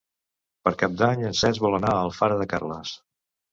Per Cap d'Any en Cesc vol anar a Alfara de Carles.